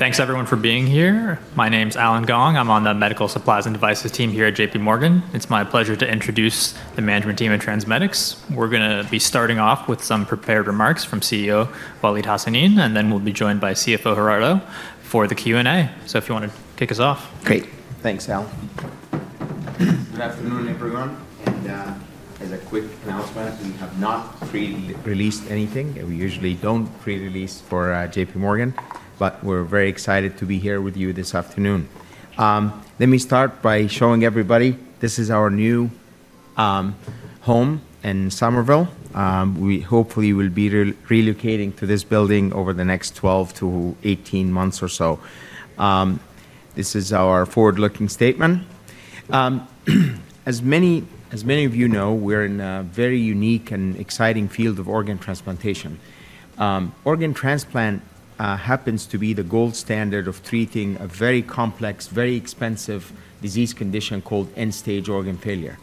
Thanks, everyone, for being here. My name's Allen Gong. I'm on the Medical Supplies and Devices team here at JPMorgan. It's my pleasure to introduce the management team at TransMedics. We're going to be starting off with some prepared remarks from CEO Waleed Hassanein, and then we'll be joined by CFO Gerardo for the Q&A, so if you want to kick us off. Great. Thanks, Al. Good afternoon, everyone, and as a quick announcement, we have not pre-released anything. We usually don't pre-release for JPMorgan, but we're very excited to be here with you this afternoon. Let me start by showing everybody this is our new home in Somerville. We hopefully will be relocating to this building over the next 12 to 18 months or so. This is our forward-looking statement. As many of you know, we're in a very unique and exciting field of organ transplantation. Organ transplant happens to be the gold standard of treating a very complex, very expensive disease condition called end-stage organ failure.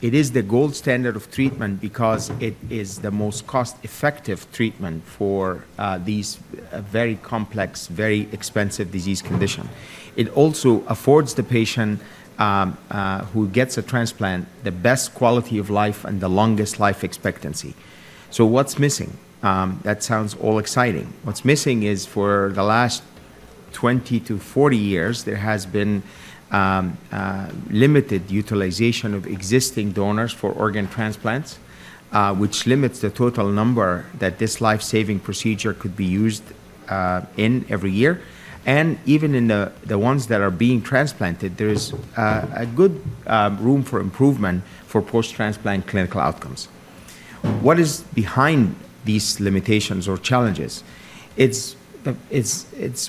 It is the gold standard of treatment because it is the most cost-effective treatment for these very complex, very expensive disease conditions. It also affords the patient who gets a transplant the best quality of life and the longest life expectancy, so what's missing? That sounds all exciting. What's missing is for the last 20-40 years, there has been limited utilization of existing donors for organ transplants, which limits the total number that this life-saving procedure could be used in every year, and even in the ones that are being transplanted, there is a good room for improvement for post-transplant clinical outcomes. What is behind these limitations or challenges? It's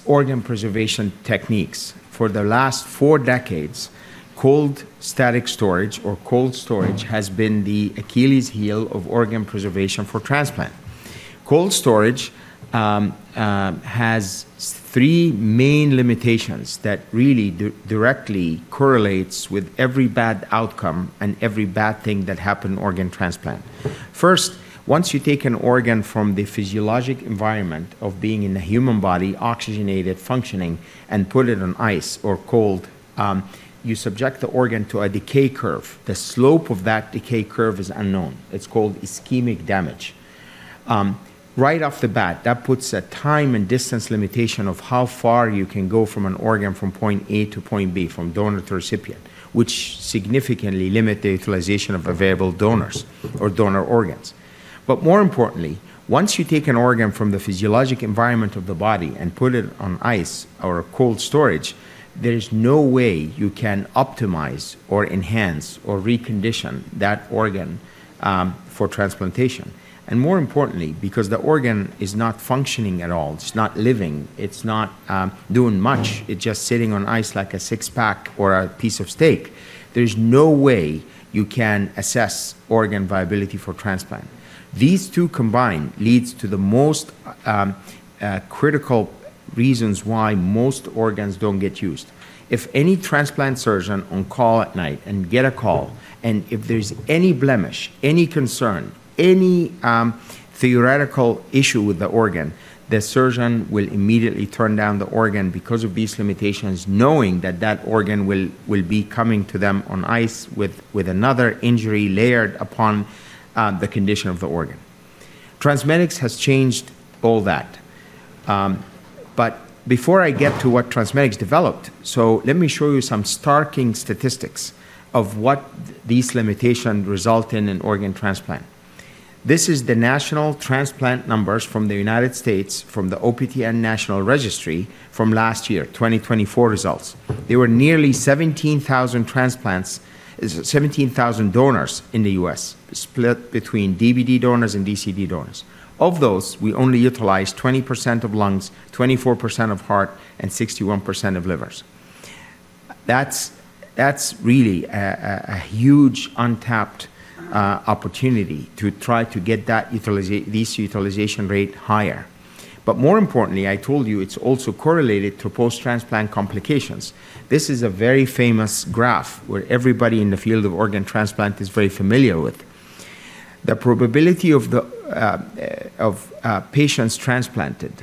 organ preservation techniques. For the last four decades, cold static storage or cold storage has been the Achilles heel of organ preservation for transplant. Cold storage has three main limitations that really directly correlate with every bad outcome and every bad thing that happened in organ transplant. First, once you take an organ from the physiologic environment of being in a human body, oxygenated, functioning, and put it on ice or cold, you subject the organ to a decay curve. The slope of that decay curve is unknown. It's called ischemic damage. Right off the bat, that puts a time and distance limitation of how far you can go from an organ from point A to point B, from donor to recipient, which significantly limits the utilization of available donors or donor organs, but more importantly, once you take an organ from the physiologic environment of the body and put it on ice or cold storage, there is no way you can optimize or enhance or recondition that organ for transplantation, and more importantly, because the organ is not functioning at all, it's not living, it's not doing much, it's just sitting on ice like a six-pack or a piece of steak, there is no way you can assess organ viability for transplant. These two combined lead to the most critical reasons why most organs don't get used. If any transplant surgeon on call at night and get a call, and if there's any blemish, any concern, any theoretical issue with the organ, the surgeon will immediately turn down the organ because of these limitations, knowing that that organ will be coming to them on ice with another injury layered upon the condition of the organ. TransMedics has changed all that. But before I get to what TransMedics developed, so let me show you some stark statistics of what these limitations result in in organ transplant. This is the national transplant numbers from the United States, from the OPTN National Registry from last year, 2024 results. There were nearly 17,000 transplants, 17,000 donors in the U.S., split between DBD donors and DCD donors. Of those, we only utilized 20% of lungs, 24% of heart, and 61% of livers. That's really a huge untapped opportunity to try to get these utilization rates higher. But more importantly, I told you it's also correlated to post-transplant complications. This is a very famous graph where everybody in the field of organ transplant is very familiar with. The probability of patients transplanted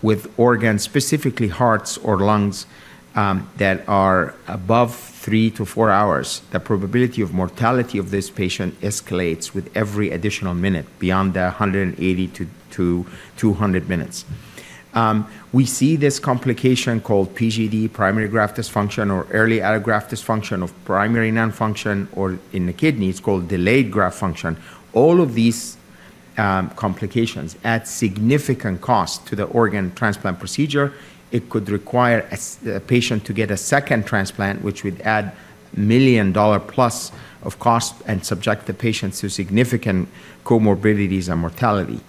with organs, specifically hearts or lungs, that are above three to four hours, the probability of mortality of this patient escalates with every additional minute beyond the 180 minutes -200 minutes. We see this complication called PGD, primary graft dysfunction, or early out-of-graft dysfunction of primary nonfunction, or in the kidneys, called delayed graft function. All of these complications add significant cost to the organ transplant procedure. It could require a patient to get a second transplant, which would add a $1+ million cost and subject the patient to significant comorbidities and mortality.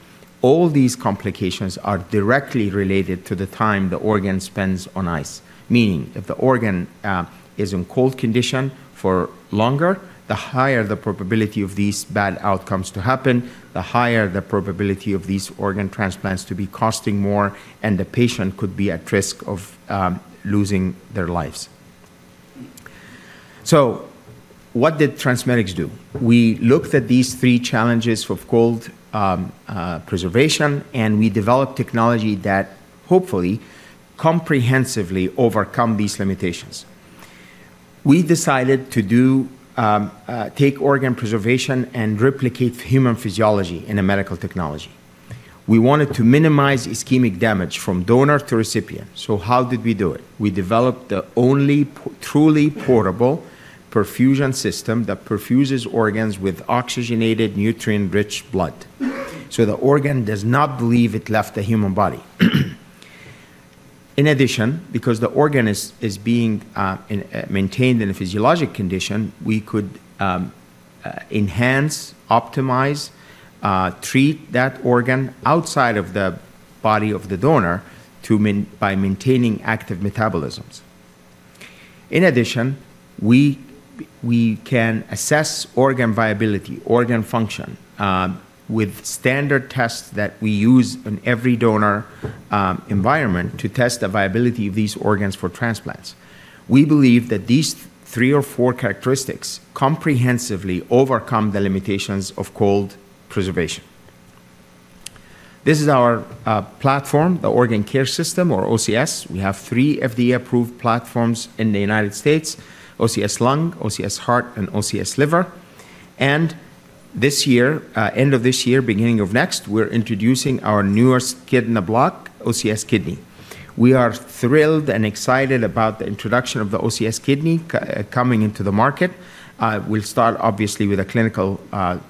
All these complications are directly related to the time the organ spends on ice. Meaning, if the organ is in cold condition for longer, the higher the probability of these bad outcomes to happen, the higher the probability of these organ transplants to be costing more, and the patient could be at risk of losing their lives. So what did TransMedics do? We looked at these three challenges of cold preservation, and we developed technology that hopefully comprehensively overcomes these limitations. We decided to take organ preservation and replicate human physiology in a medical technology. We wanted to minimize ischemic damage from donor to recipient. So how did we do it? We developed the only truly portable perfusion system that perfuses organs with oxygenated, nutrient-rich blood. So the organ does not believe it left the human body. In addition, because the organ is being maintained in a physiologic condition, we could enhance, optimize, treat that organ outside of the body of the donor by maintaining active metabolisms. In addition, we can assess organ viability, organ function, with standard tests that we use in every donor environment to test the viability of these organs for transplants. We believe that these three or four characteristics comprehensively overcome the limitations of cold preservation. This is our platform, the Organ Care System, or OCS. We have three FDA-approved platforms in the United States: OCS Lung, OCS Heart, and OCS Liver, and this year, end of this year, beginning of next, we're introducing our newest kidney platform, OCS Kidney. We are thrilled and excited about the introduction of the OCS Kidney coming into the market. We'll start, obviously, with a clinical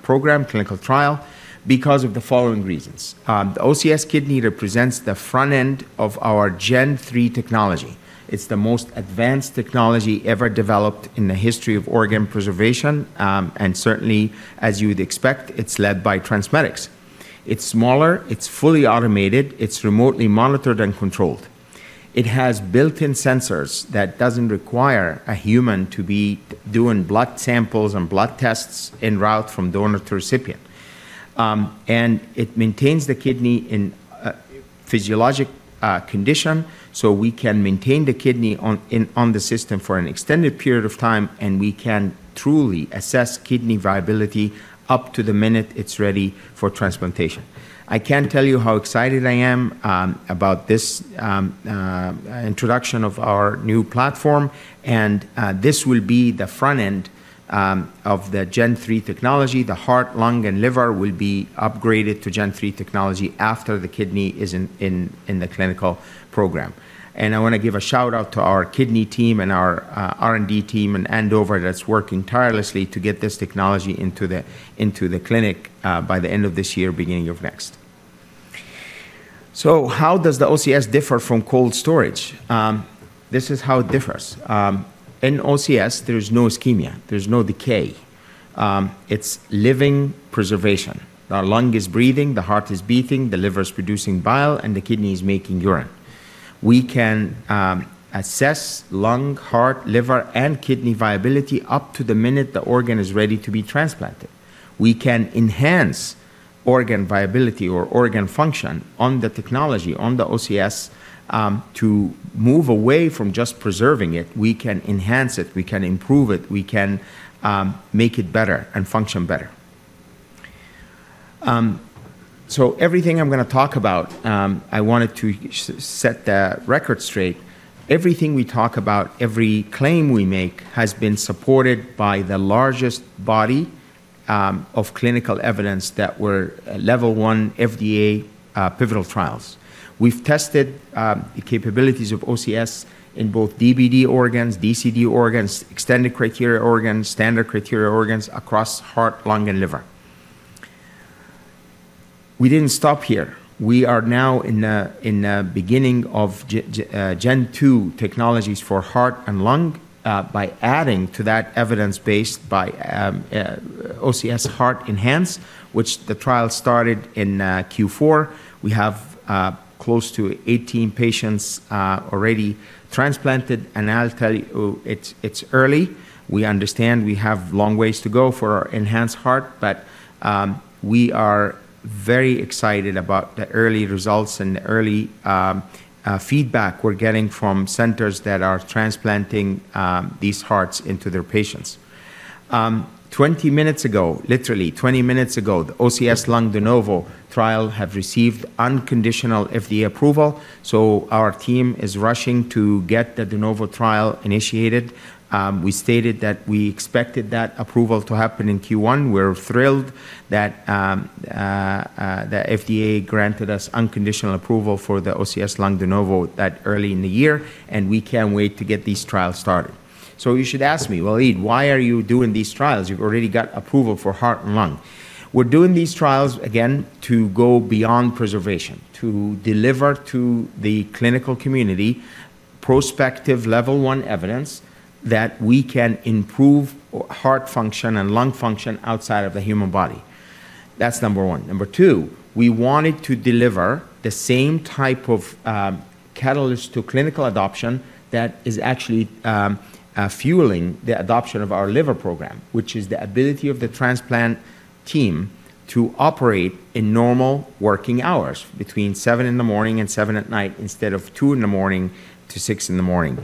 program, clinical trial, because of the following reasons. The OCS Kidney represents the front end of Gen-3 technology. It's the most advanced technology ever developed in the history of organ preservation. And certainly, as you would expect, it's led by TransMedics. It's smaller. It's fully automated. It's remotely monitored and controlled. It has built-in sensors that don't require a human to be doing blood samples and blood tests en route from donor to recipient. And it maintains the kidney in physiologic condition so we can maintain the kidney on the system for an extended period of time, and we can truly assess kidney viability up to the minute it's ready for transplantation. I can't tell you how excited I am about this introduction of our new platform. And this will be the front end of Gen-3 technology. the heart, lung, and liver will be upgraded Gen-3 technology after the kidney is in the clinical program. And I want to give a shout-out to our kidney team and our R&D team and Andover that's working tirelessly to get this technology into the clinic by the end of this year, beginning of next. So how does the OCS differ from cold storage? This is how it differs. In OCS, there is no ischemia. There's no decay. It's living preservation. The lung is breathing, the heart is beating, the liver is producing bile, and the kidney is making urine. We can assess lung, heart, liver, and kidney viability up to the minute the organ is ready to be transplanted. We can enhance organ viability or organ function on the technology, on the OCS, to move away from just preserving it. We can enhance it. We can improve it. We can make it better and function better. So everything I'm going to talk about, I wanted to set the record straight. Everything we talk about, every claim we make has been supported by the largest body of clinical evidence that were Level 1 FDA pivotal trials. We've tested the capabilities of OCS in both DBD organs, DCD organs, extended criteria organs, standard criteria organs across heart, lung, and liver. We didn't stop here. We are now in the beginning Gen-2 technologies for heart and lung by adding to that evidence by OCS Heart ENHANCE, which the trial started in Q4. We have close to 18 patients already transplanted. And I'll tell you, it's early. We understand we have long ways to go for our ENHANCE, but we are very excited about the early results and the early feedback we're getting from centers that are transplanting these hearts into their patients. Uhm, 20 minutes ago, literally 20 minutes ago, the OCS Lung DENOVO trial has received unconditional FDA approval. So our team is rushing to get the DENOVO trial initiated. We stated that we expected that approval to happen in Q1. We're thrilled that the FDA granted us unconditional approval for the OCS Lung DENOVO that early in the year, and we can't wait to get these trials started. So you should ask me, "Waleed, why are you doing these trials? You've already got approval for heart and lung." We're doing these trials, again, to go beyond preservation, to deliver to the clinical community prospective Level 1 evidence that we can improve heart function and lung function outside of the human body. That's number one. Number two, we wanted to deliver the same type of catalyst to clinical adoption that is actually fueling the adoption of our liver program, which is the ability of the transplant team to operate in normal working hours between 7:00 A.M. and 7:00 P.M. instead of 2:00 A.M. to 6:00 A.M.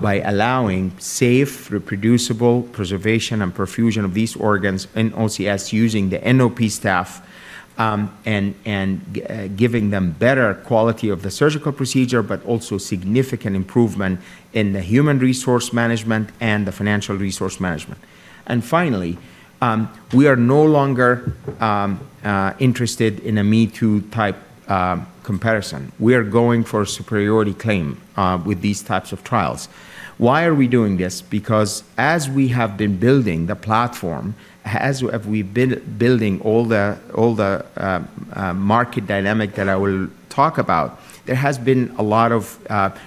by allowing safe, reproducible preservation and perfusion of these organs in OCS using the NOP staff and giving them better quality of the surgical procedure, but also significant improvement in the human resource management and the financial resource management. Finally, we are no longer interested in a me-too-type comparison. We are going for a superiority claim with these types of trials. Why are we doing this? Because as we have been building the platform, as we've been building all the market dynamic that I will talk about, there has been a lot of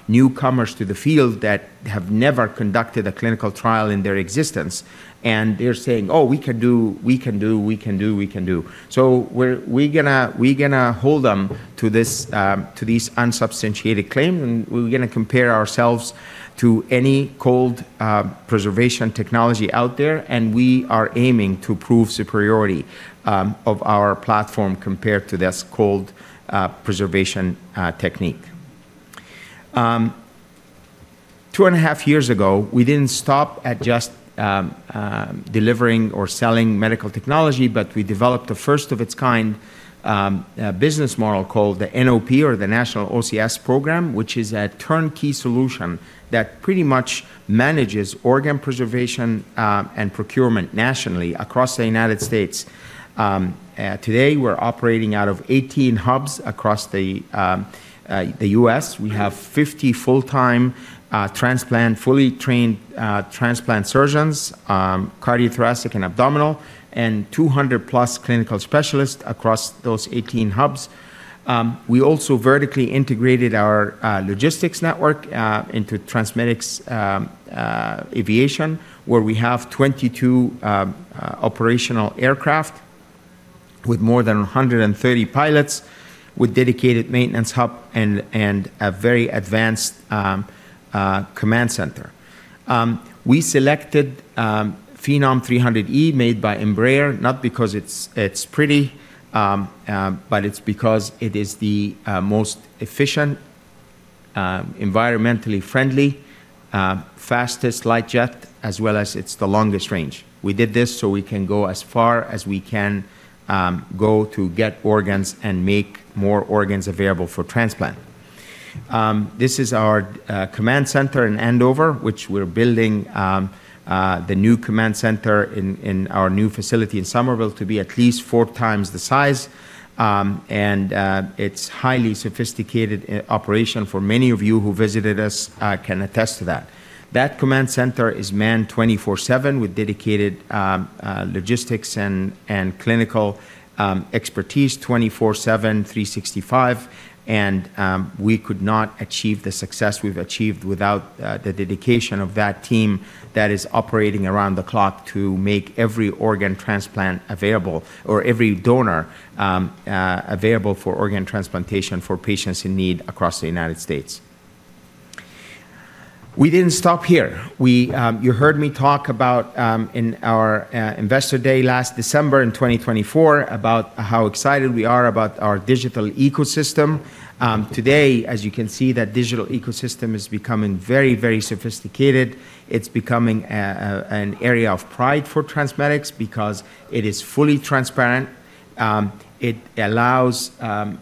newcomers to the field that have never conducted a clinical trial in their existence. And they're saying, "Oh, we can do, we can do, we can do, we can do." So we're going to hold them to these unsubstantiated claims. And we're going to compare ourselves to any cold preservation technology out there. And we are aiming to prove superiority of our platform compared to this cold preservation technique. Two and a half years ago, we didn't stop at just delivering or selling medical technology, but we developed the first of its kind business model called the NOP or the National OCS Program, which is a turnkey solution that pretty much manages organ preservation and procurement nationally across the United States. Today, we're operating out of 18 hubs across the U.S. We have 50 full-time transplant, fully trained transplant surgeons, cardiothoracic and abdominal, and 200+ clinical specialists across those 18 hubs. We also vertically integrated our logistics network into TransMedics Aviation, where we have 22 operational aircraft with more than 130 pilots with dedicated maintenance hub and a very advanced command center. We selected Phenom 300E made by Embraer, not because it's pretty, but it's because it is the most efficient, environmentally friendly, fastest light jet, as well as it's the longest range. We did this so we can go as far as we can go to get organs and make more organs available for transplant. This is our command center in Andover, which we're building the new command center in our new facility in Somerville to be at least four times the size. It's a highly sophisticated operation for many of you who visited us can attest to that. That command center is manned 24/7 with dedicated logistics and clinical expertise 24/7, 365. And we could not achieve the success we've achieved without the dedication of that team that is operating around the clock to make every organ transplant available or every donor available for organ transplantation for patients in need across the United States. We didn't stop here. You heard me talk about in our investor day last December in 2024 about how excited we are about our digital ecosystem. Today, as you can see, that digital ecosystem is becoming very, very sophisticated. It's becoming an area of pride for TransMedics because it is fully transparent. It allows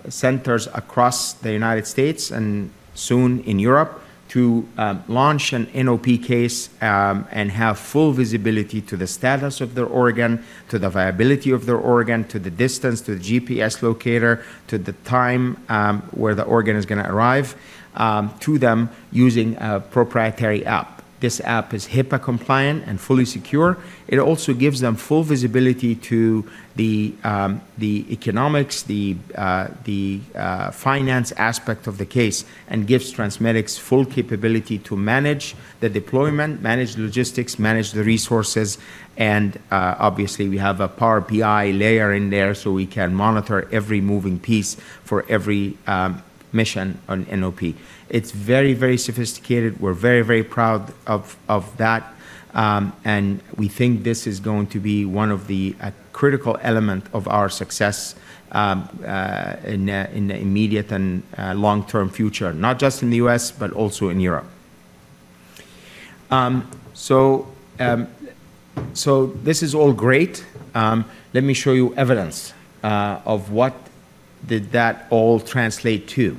centers across the United States and soon in Europe to launch an NOP case and have full visibility to the status of their organ, to the viability of their organ, to the distance, to the GPS locator, to the time where the organ is going to arrive to them using a proprietary app. This app is HIPAA-compliant and fully secure. It also gives them full visibility to the economics, the finance aspect of the case, and gives TransMedics full capability to manage the deployment, manage logistics, manage the resources. Obviously, we have a Power BI layer in there so we can monitor every moving piece for every mission on NOP. We're very, very proud of that. We think this is going to be one of the critical elements of our success in the immediate and long-term future, not just in the U.S., but also in Europe. This is all great. Let me show you evidence of what did that all translate to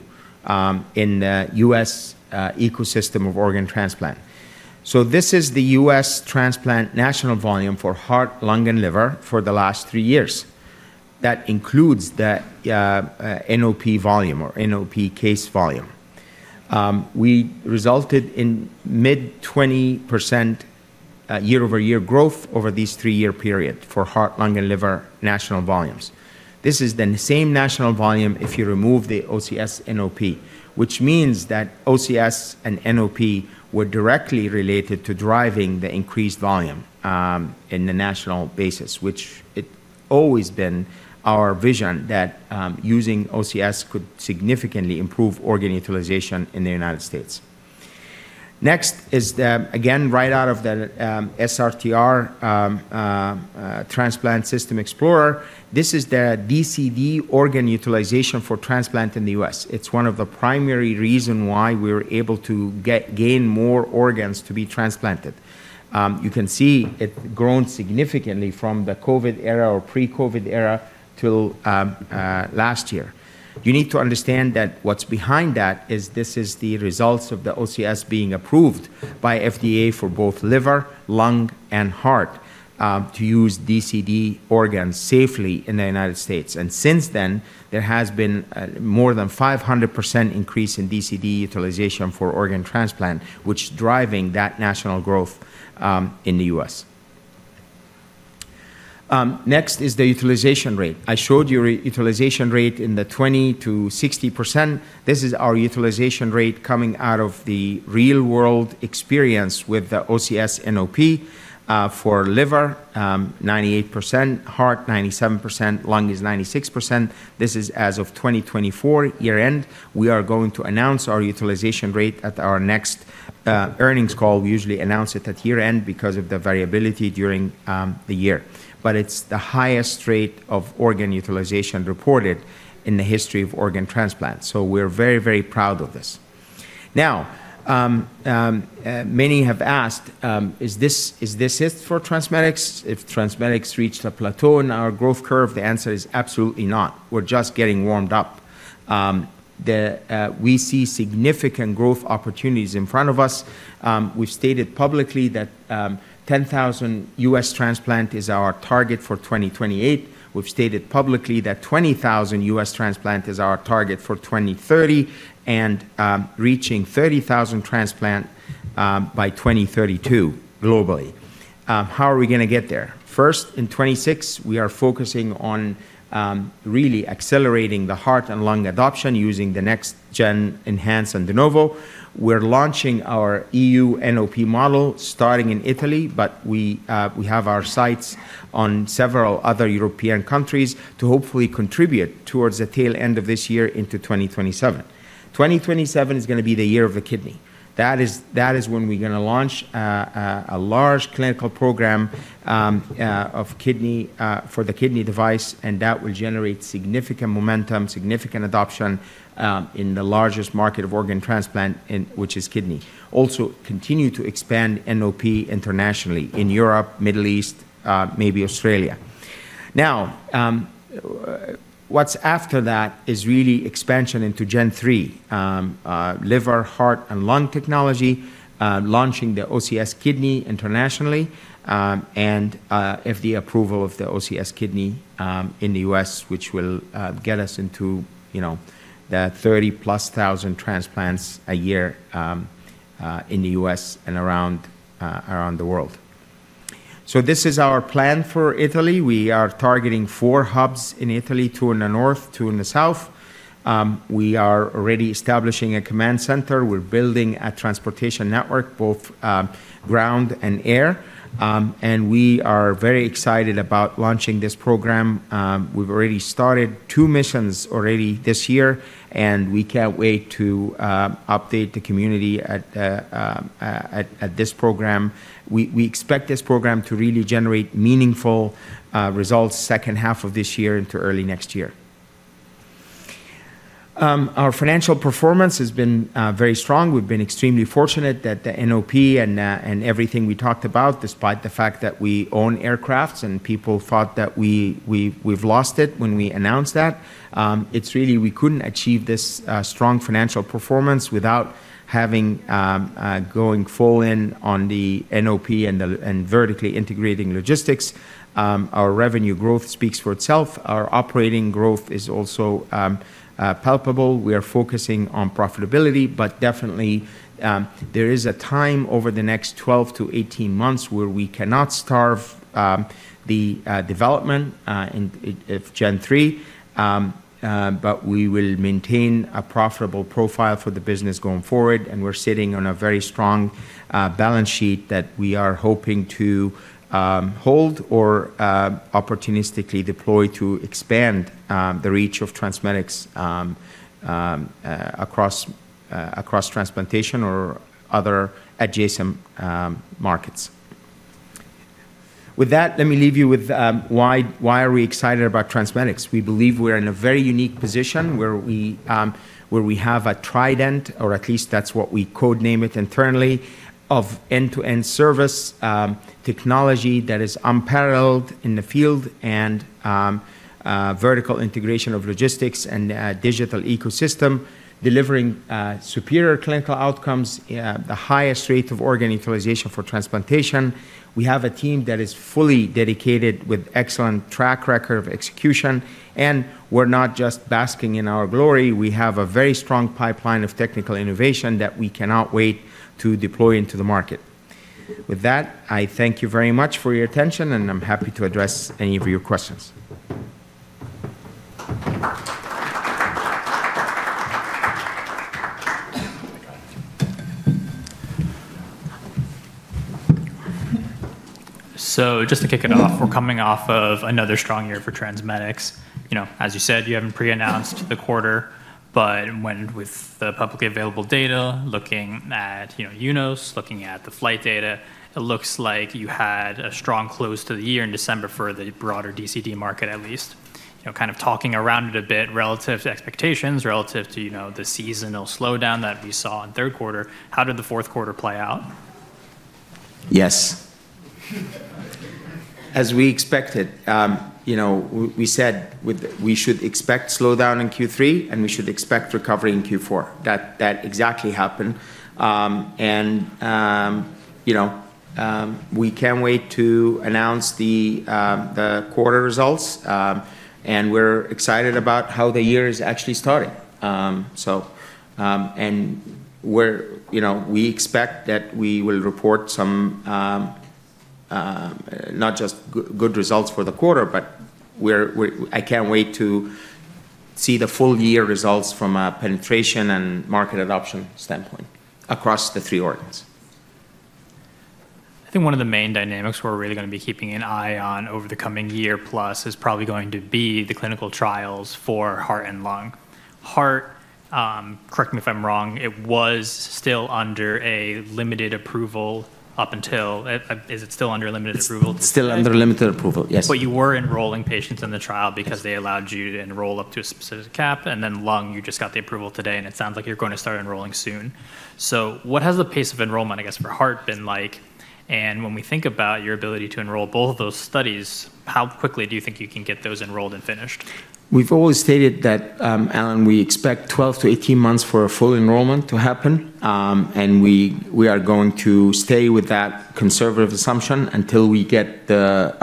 in the U.S. ecosystem of organ transplant. This is the U.S. transplant national volume for heart, lung, and liver for the last three years. That includes the NOP volume or NOP case volume. We resulted in mid-20% year-over-year growth over these three-year period for heart, lung, and liver national volumes. This is the same national volume if you remove the OCS/NOP, which means that OCS and NOP were directly related to driving the increased volume in the national basis, which it's always been our vision that using OCS could significantly improve organ utilization in the United States. Next is the, again, right out of the SRTR Transplant System Explorer. This is the DCD organ utilization for transplant in the U.S. It's one of the primary reasons why we were able to gain more organs to be transplanted. You can see it grown significantly from the COVID era or pre-COVID era till last year. You need to understand that what's behind that is this is the results of the OCS being approved by FDA for both liver, lung, and heart to use DCD organs safely in the United States. And since then, there has been more than 500% increase in DCD utilization for organ transplant, which is driving that national growth in the U.S. Next is the utilization rate. I showed you utilization rate in the 20%-60%. This is our utilization rate coming out of the real-world experience with the OCS NOP for liver, 98%, heart, 97%, lung is 96%. This is as of 2024 year-end. We are going to announce our utilization rate at our next earnings call. We usually announce it at year-end because of the variability during the year. But it's the highest rate of organ utilization reported in the history of organ transplant. So we're very, very proud of this. Now, many have asked, "Is this it for TransMedics? If TransMedics reached a plateau in our growth curve, the answer is absolutely not. We're just getting warmed up." We see significant growth opportunities in front of us. We've stated publicly that 10,000 US transplant is our target for 2028. We've stated publicly that 20,000 US transplant is our target for 2030 and reaching 30,000 transplant by 2032 globally. How are we going to get there? First, in 2026, we are focusing on really accelerating the heart and lung adoption using the next-gen ENHANCE and DENOVO. We're launching our EU NOP model starting in Italy, but we have our sights on several other European countries to hopefully contribute towards the tail end of this year into 2027, 2027 is going to be the year of the kidney. That is when we're going to launch a large clinical program for the kidney device, and that will generate significant momentum, significant adoption in the largest market of organ transplant, which is kidney. Also continue to expand NOP internationally in Europe, Middle East, maybe Australia. Now, what's after that is really expansion Gen-3, liver, heart, and lung technology, launching the OCS Kidney internationally and FDA approval of the OCS Kidney in the U.S., which will get us into the 30-plus thousand transplants a year in the U.S. and around the world, so this is our plan for Italy. We are targeting four hubs in Italy, two in the north, two in the south. We are already establishing a command center. We're building a transportation network, both ground and air, and we are very excited about launching this program. We've already started two missions already this year, and we can't wait to update the community at this program. We expect this program to really generate meaningful results second half of this year into early next year. Our financial performance has been very strong. We've been extremely fortunate that the NOP and everything we talked about, despite the fact that we own aircrafts and people thought that we've lost it when we announced that, it's really we couldn't achieve this strong financial performance without going full in on the NOP and vertically integrating logistics. Our revenue growth speaks for itself. Our operating growth is also palpable. We are focusing on profitability, but definitely, there is a time over the next 12-18 months where we cannot starve the development Gen-3, but we will maintain a profitable profile for the business going forward. And we're sitting on a very strong balance sheet that we are hoping to hold or opportunistically deploy to expand the reach of TransMedics across transplantation or other adjacent markets. With that, let me leave you with why are we excited about TransMedics? We believe we're in a very unique position where we have a trident, or at least that's what we code-name it internally, of end-to-end service technology that is unparalleled in the field and vertical integration of logistics and digital ecosystem, delivering superior clinical outcomes, the highest rate of organ utilization for transplantation. We have a team that is fully dedicated with excellent track record of execution. And we're not just basking in our glory. We have a very strong pipeline of technical innovation that we cannot wait to deploy into the market. With that, I thank you very much for your attention, and I'm happy to address any of your questions. So just to kick it off, we're coming off of another strong year for TransMedics. As you said, you haven't pre-announced the quarter, but with the publicly available data, looking at UNOS, looking at the flight data, it looks like you had a strong close to the year in December for the broader DCD market, at least. Kind of talking around it a bit relative to expectations, relative to the seasonal slowdown that we saw in third quarter, how did the fourth quarter play out? Yes. As we expected, we said we should expect slowdown in Q3, and we should expect recovery in Q4. That exactly happened. And we can't wait to announce the quarter results, and we're excited about how the year is actually starting. And we expect that we will report some not just good results for the quarter, but I can't wait to see the full-year results from a penetration and market adoption standpoint across the three organs. I think one of the main dynamics we're really going to be keeping an eye on over the coming year plus is probably going to be the clinical trials for heart and lung. Heart, correct me if I'm wrong, it was still under a limited approval up until, is it still under limited approval? Still under limited approval, yes. But you were enrolling patients in the trial because they allowed you to enroll up to a specific cap, and then lung, you just got the approval today, and it sounds like you're going to start enrolling soon. So what has the pace of enrollment, I guess, for heart been like? And when we think about your ability to enroll both of those studies, how quickly do you think you can get those enrolled and finished? We've always stated that, Allen, we expect 12 to 18 months for a full enrollment to happen, and we are going to stay with that conservative assumption until we get the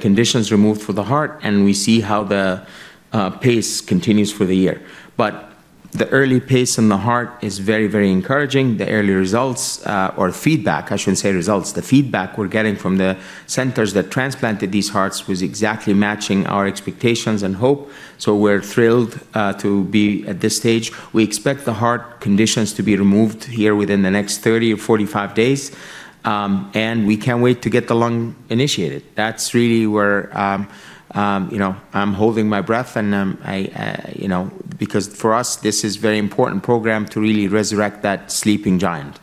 conditions removed for the heart and we see how the pace continues for the year. But the early pace in the heart is very, very encouraging. The early results or feedback, I shouldn't say results, the feedback we're getting from the centers that transplanted these hearts was exactly matching our expectations and hope. So we're thrilled to be at this stage. We expect the heart conditions to be removed here within the next 30 or 45 days, and we can't wait to get the lung initiated. That's really where I'm holding my breath because for us, this is a very important program to really resurrect that sleeping giant.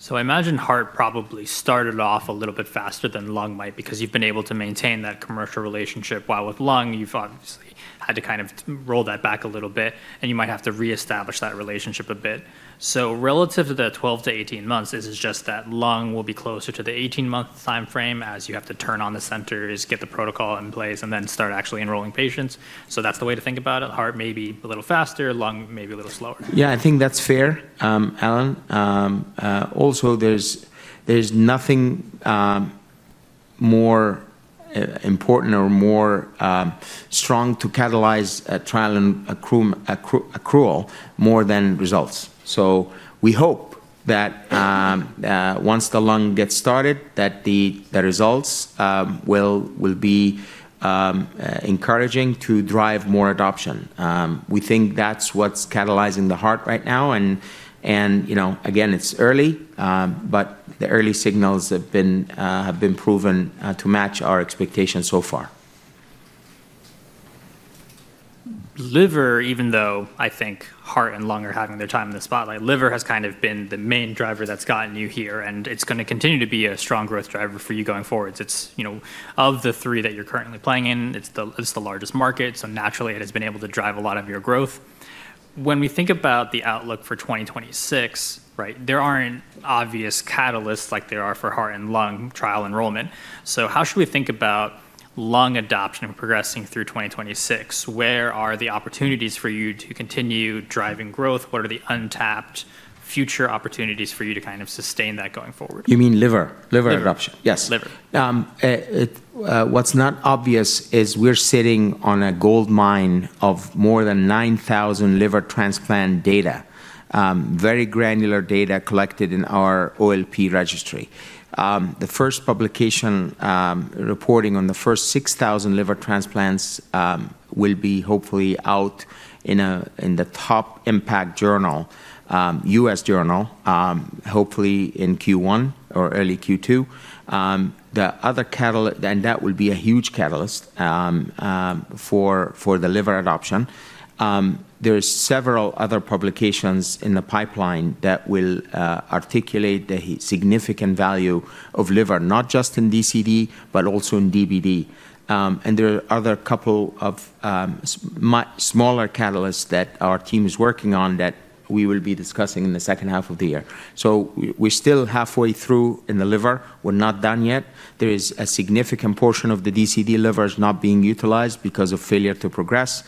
So I imagine heart probably started off a little bit faster than lung might because you've been able to maintain that commercial relationship. While with lung, you've obviously had to kind of roll that back a little bit, and you might have to reestablish that relationship a bit. So relative to the 12-18 months, is it just that lung will be closer to the 18-month timeframe as you have to turn on the centers, get the protocol in place, and then start actually enrolling patients? So that's the way to think about it. Heart may be a little faster, lung may be a little slower. Yeah, I think that's fair, Allen. Also, there's nothing more important or more strong to catalyze a trial and accrual more than results. So we hope that once the lung gets started, that the results will be encouraging to drive more adoption. We think that's what's catalyzing the heart right now. And again, it's early, but the early signals have been proven to match our expectations so far. Liver, even though I think heart and lung are having their time in the spotlight, liver has kind of been the main driver that's gotten you here, and it's going to continue to be a strong growth driver for you going forward. Of the three that you're currently playing in, it's the largest market, so naturally, it has been able to drive a lot of your growth. When we think about the outlook for 2026, there aren't obvious catalysts like there are for heart and lung trial enrollment. So how should we think about lung adoption progressing through 2026? Where are the opportunities for you to continue driving growth? What are the untapped future opportunities for you to kind of sustain that going forward? You mean liver, liver adoption? Yes. What's not obvious is we're sitting on a gold mine of more than 9,000 liver transplant data, very granular data collected in our OLP registry. The first publication reporting on the first 6,000 liver transplants will be hopefully out in the top impact journal, U.S. journal, hopefully in Q1 or early Q2, and that will be a huge catalyst for the liver adoption. There are several other publications in the pipeline that will articulate the significant value of liver, not just in DCD, but also in DBD, and there are other couple of smaller catalysts that our team is working on that we will be discussing in the second half of the year, so we're still halfway through in the liver. We're not done yet. There is a significant portion of the DCD livers not being utilized because of failure to progress.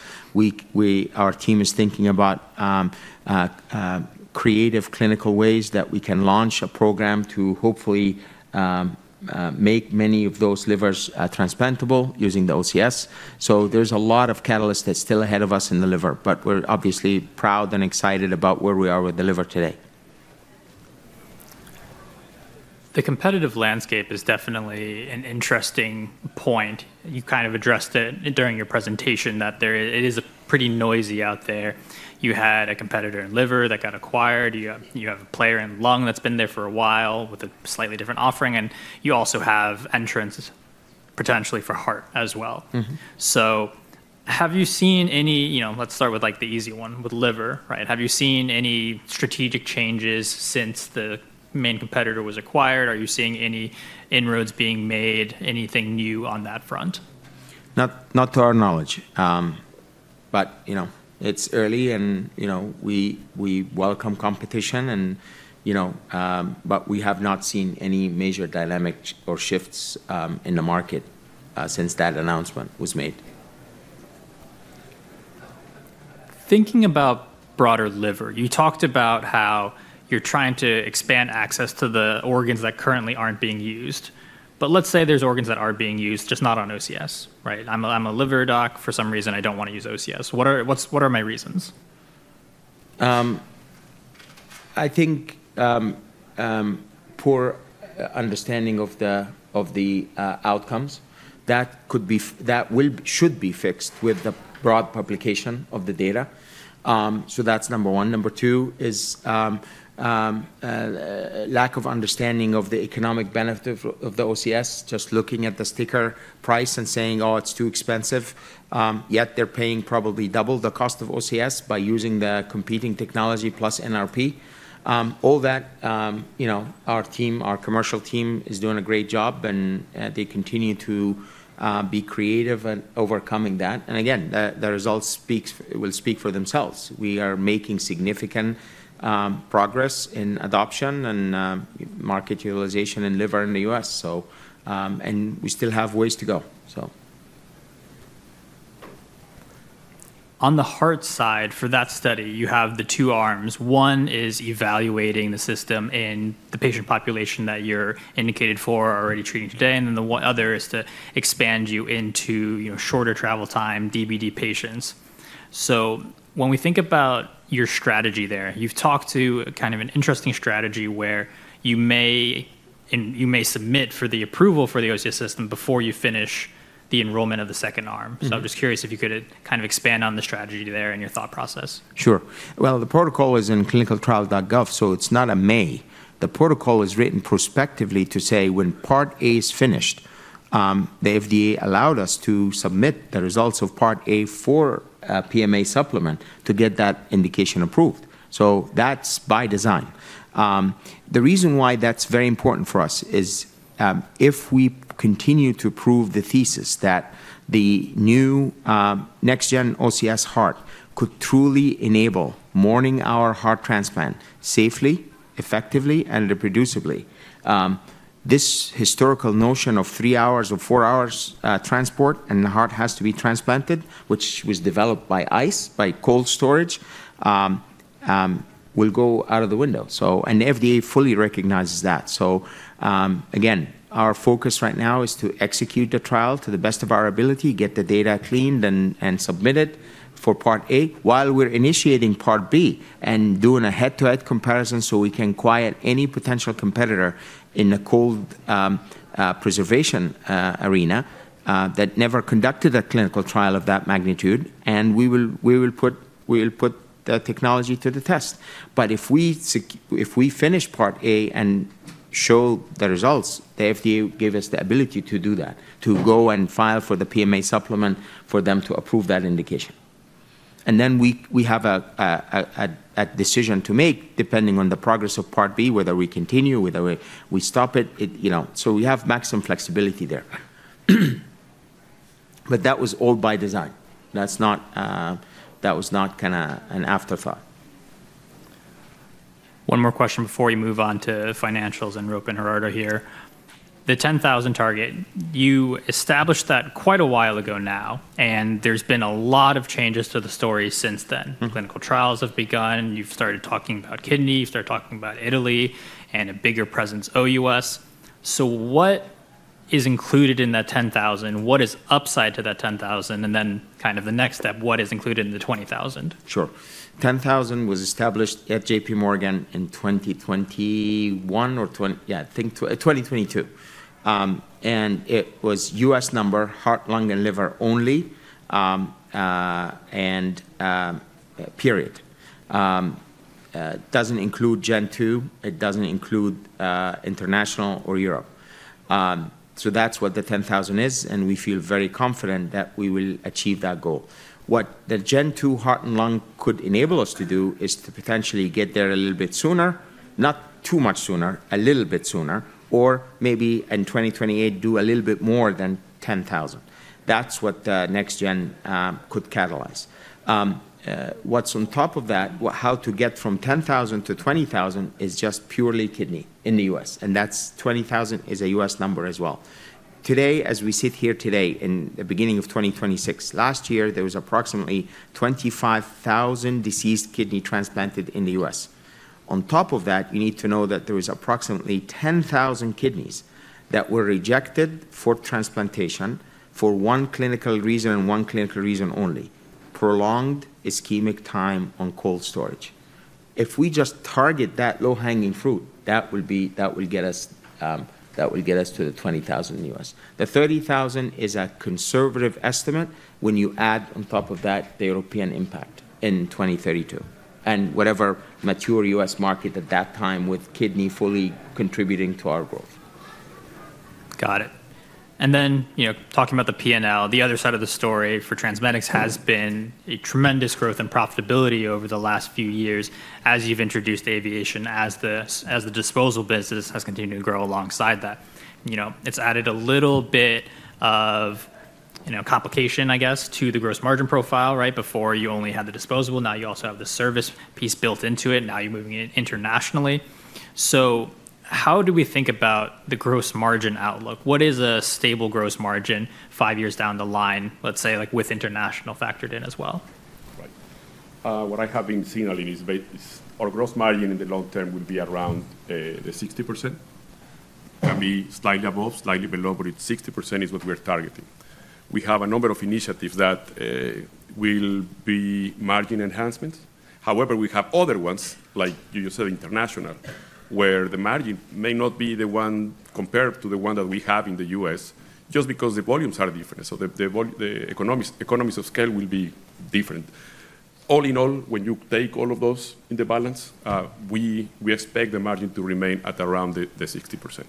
Our team is thinking about creative clinical ways that we can launch a program to hopefully make many of those livers transplantable using the OCS, so there's a lot of catalysts that's still ahead of us in the liver, but we're obviously proud and excited about where we are with the liver today. The competitive landscape is definitely an interesting point. You kind of addressed it during your presentation that it is pretty noisy out there. You had a competitor in liver that got acquired. You have a player in lung that's been there for a while with a slightly different offering. And you also have entrants potentially for heart as well. So have you seen any, let's start with the easy one with liver. Have you seen any strategic changes since the main competitor was acquired? Are you seeing any inroads being made, anything new on that front? Not to our knowledge, but it's early, and we welcome competition, but we have not seen any major dynamics or shifts in the market since that announcement was made. Thinking about broader liver, you talked about how you're trying to expand access to the organs that currently aren't being used. But let's say there's organs that are being used, just not on OCS. I'm a liver doc. For some reason, I don't want to use OCS. What are my reasons? I think poor understanding of the outcomes. That should be fixed with the broad publication of the data. So that's number one. Number two is lack of understanding of the economic benefit of the OCS, just looking at the sticker price and saying, "Oh, it's too expensive." Yet they're paying probably double the cost of OCS by using the competing technology plus NRP. All that, our team, our commercial team is doing a great job, and they continue to be creative in overcoming that. And again, the results will speak for themselves. We are making significant progress in adoption and market utilization in liver in the U.S. And we still have ways to go. On the heart side, for that study, you have the two arms. One is evaluating the system in the patient population that you're indicated for already treating today, and then the other is to expand you into shorter travel time, DBD patients. So when we think about your strategy there, you've talked to kind of an interesting strategy where you may submit for the approval for the OCS system before you finish the enrollment of the second arm. So I'm just curious if you could kind of expand on the strategy there and your thought process. Sure. The protocol is in ClinicalTrials.gov, so it's not a maybe. The protocol is written prospectively to say when part A is finished, the FDA allowed us to submit the results of part A for PMA supplement to get that indication approved. So that's by design. The reason why that's very important for us is if we continue to prove the thesis that the new next-gen OCS Heart could truly enable 24-hour heart transplant safely, effectively, and reproducibly, this historical notion of three hours or four hours transport and the heart has to be transplanted, which was developed by ice, by cold storage, will go out of the window, and the FDA fully recognizes that. So again, our focus right now is to execute the trial to the best of our ability, get the data cleaned and submit it for part A while we're initiating part B and doing a head-to-head comparison so we can quiet any potential competitor in the cold preservation arena that never conducted a clinical trial of that magnitude. And we will put the technology to the test. But if we finish part A and show the results, the FDA gave us the ability to do that, to go and file for the PMA supplement for them to approve that indication. And then we have a decision to make depending on the progress of part B, whether we continue, whether we stop it. So we have maximum flexibility there. But that was all by design. That was not kind of an afterthought. One more question before we move on to financials and now Gerardo here. The 10,000 target, you established that quite a while ago now, and there's been a lot of changes to the story since then. Clinical trials have begun. You've started talking about kidney. You've started talking about Italy and a bigger presence, OUS. So what is included in that 10,000? What is upside to that 10,000? And then kind of the next step, what is included in the 20,000? Sure. 10,000 was established at JPMorgan in 2021 or, yeah, I think 2022. And it was U.S. number, heart, lung, and liver only, and period. Doesn't include Gen-2. It doesn't include international or Europe. So that's what the 10,000 is, and we feel very confident that we will achieve that goal. What the Gen-2 heart and lung could enable us to do is to potentially get there a little bit sooner, not too much sooner, a little bit sooner, or maybe in 2028 do a little bit more than 10,000. That's what the next gen could catalyze. What's on top of that, how to get from 10,000 to 20,000 is just purely kidney in the U.S. And that's 20,000 is a U.S. number as well. Today, as we sit here today in the beginning of 2026, last year, there was approximately 25,000 deceased kidney transplanted in the U.S. On top of that, you need to know that there was approximately 10,000 kidneys that were rejected for transplantation for one clinical reason and one clinical reason only, prolonged ischemic time on cold storage. If we just target that low-hanging fruit, that will get us to the 20,000 in the U.S. The 30,000 is a conservative estimate when you add on top of that the European impact in 2032 and whatever mature U.S. market at that time with kidney fully contributing to our growth. Got it. And then talking about the P&L, the other side of the story for TransMedics has been a tremendous growth in profitability over the last few years as you've introduced aviation, as the disposables business has continued to grow alongside that. It's added a little bit of complication, I guess, to the gross margin profile. Before you only had the disposable, now you also have the service piece built into it. Now you're moving it internationally. So how do we think about the gross margin outlook? What is a stable gross margin five years down the line, let's say with international factored in as well? Right. What I have been saying, Allen, is our gross margin in the long term will be around the 60%. It can be slightly above, slightly below, but it's 60% is what we're targeting. We have a number of initiatives that will be margin enhancements. However, we have other ones, like you said, international, where the margin may not be the one compared to the one that we have in the U.S. just because the volumes are different. So the economies of scale will be different. All in all, when you take all of those in the balance, we expect the margin to remain at around the 60%.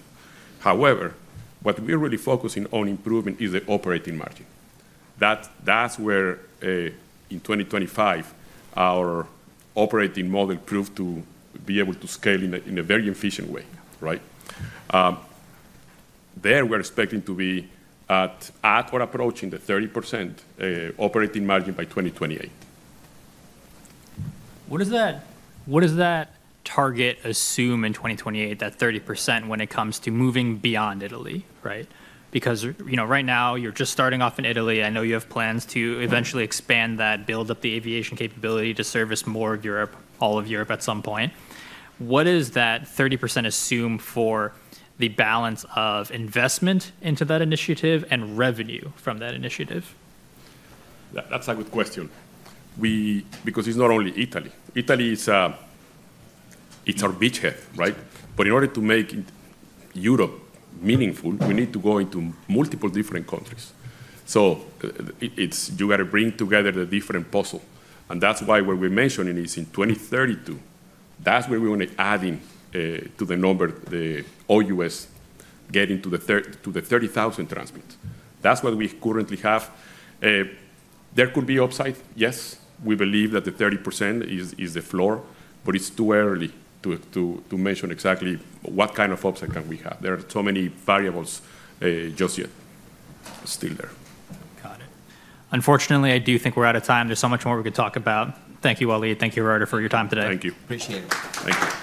However, what we're really focusing on improving is the operating margin. That's where in 2025, our operating model proved to be able to scale in a very efficient way. There we're expecting to be at or approaching the 30% operating margin by 2028. What does that target assume in 2028, that 30% when it comes to moving beyond Italy? Because right now you're just starting off in Italy. I know you have plans to eventually expand that, build up the aviation capability to service more of Europe, all of Europe at some point. What does that 30% assume for the balance of investment into that initiative and revenue from that initiative? That's a good question. Because it's not only Italy. Italy is our beachhead, but in order to make Europe meaningful, we need to go into multiple different countries. So you got to bring together the different puzzle. And that's why what we're mentioning is in 2032, that's where we want to add in to the number, the OUS, getting to the 30,000 transplants. That's what we currently have. There could be upside. Yes, we believe that the 30% is the floor, but it's too early to mention exactly what kind of upside can we have. There are so many variables just yet still there. Got it. Unfortunately, I do think we're out of time. There's so much more we could talk about. Thank you, Waleed. Thank you, Gerardo, for your time today. Thank you. Appreciate it. Thank you.